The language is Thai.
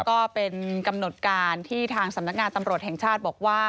ก็เป็นกำหนดการที่ทางสำนักงานตำรวจแห่งชาติบอกว่า